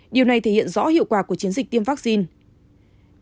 điều này thể hiện rõ hiệu quả của chiến dịch tiêm vaccine